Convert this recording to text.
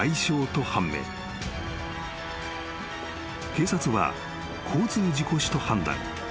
［警察は交通事故死と判断］